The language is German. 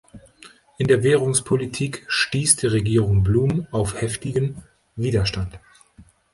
In der Währungspolitik stieß die Regierung Blum auf heftigen Widerstand.